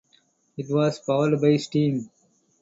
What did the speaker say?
It was powered by steam.